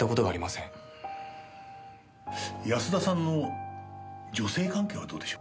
安田さんの女性関係はどうでしょう？